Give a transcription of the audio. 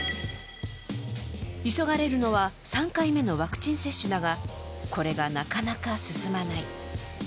急がれるのは３回目のワクチン接種だがこれがなかなか進まない。